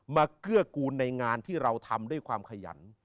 เกื้อกูลในงานที่เราทำด้วยความขยัน